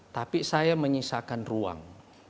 tapi saya menyisakan ruang